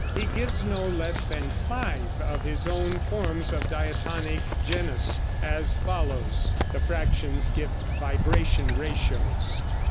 He gives no less than five of his own forms of diatonic genus, as follows: (The fractions give vibration ratios.)